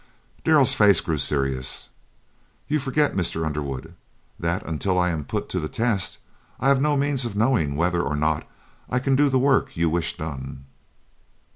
Darrell's face grew serious. "You forget, Mr. Underwood, that until I am put to the test, I have no means of knowing whether or not I can do the work you wish done."